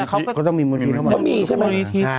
แต่เขาเป็นบนิธิ